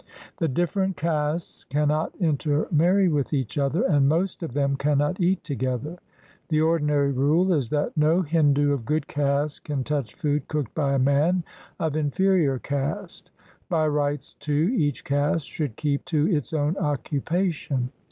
The different castes cannot intermarry with each other, and most of them cannot eat together. The ordinary rule is that no Hindu of good caste can touch food cooked by a man of inferior caste. By rights, too, each caste should keep to its own occupation.